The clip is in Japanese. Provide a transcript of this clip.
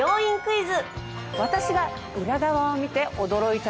私が。